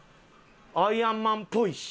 アイアンマンっぽいし。